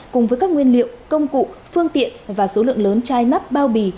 cùng với các nguyên liệu công cụ phương tiện và số lượng lớn chai nắp bao bì